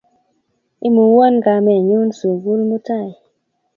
Imuwon kamennyu sukul mutai